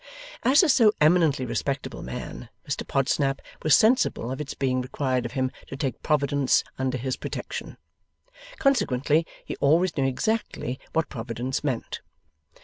As a so eminently respectable man, Mr Podsnap was sensible of its being required of him to take Providence under his protection. Consequently he always knew exactly what Providence meant.